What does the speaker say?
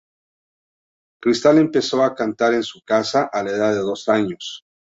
Krystal empezó a cantar en su casa a la edad de dos años.